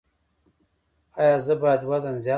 ایا زه باید وزن زیات کړم؟